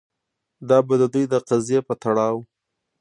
دا به د دوی د قضیې په تړاو